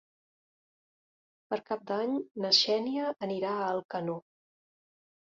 Per Cap d'Any na Xènia anirà a Alcanó.